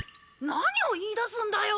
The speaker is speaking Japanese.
何を言い出すんだよ。